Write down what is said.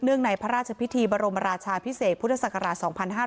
ในพระราชพิธีบรมราชาพิเศษพุทธศักราช๒๕๕๙